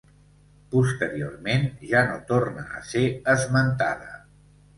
Posteriorment ja no torna a ser esmentada.